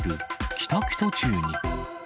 帰宅途中に。